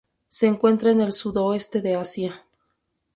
Se encuentra en el sudoeste de Asia.